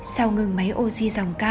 sau ngừng máy oxy